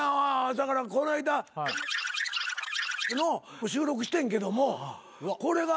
だからこないだの収録してんけどもこれが。